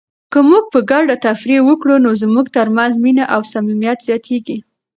که موږ په ګډه تفریح وکړو نو زموږ ترمنځ مینه او صمیمیت زیاتیږي.